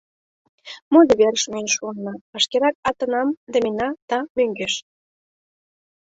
Модо верыш миен шуына, вашкерак атынам темена да мӧҥгеш.